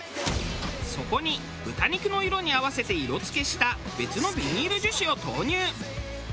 そこに豚肉の色に合わせて色付けした別のビニール樹脂を投入。